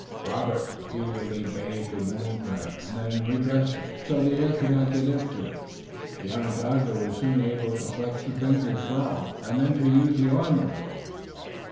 Robert repeatedly bathed the wound for him, and then redressed it, so the air could not get to it. The Onondaga was soon able to flex the fingers well and then to use the arm a little.